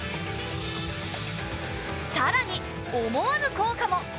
さらに思わぬ効果も！